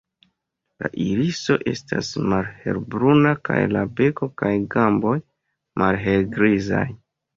La iriso estas malhelbruna kaj la beko kaj gamboj malhelgrizaj.